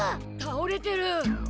たおれてる！